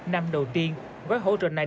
năm đầu tiên gói hỗ trợ này đạt được một đồng